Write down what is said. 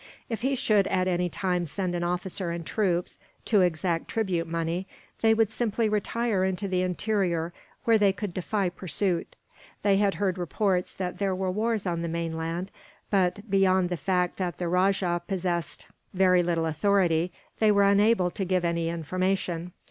If he should at any time send an officer and troops, to exact tribute money, they would simply retire into the interior, where they could defy pursuit. They had heard reports that there were wars on the mainland but, beyond the fact that the rajah possessed very little authority, they were unable to give any information.